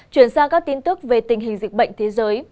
chuyển sang các tin tức về tình hình dịch bệnh thế giới